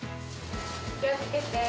気をつけて。